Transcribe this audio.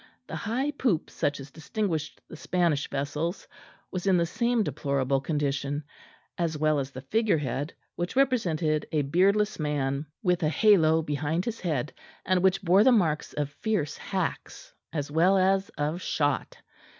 The high poop such as distinguished the Spanish vessels was in the same deplorable condition; as well as the figure head, which represented a beardless man with a halo behind his head, and which bore the marks of fierce hacks as well as of shot.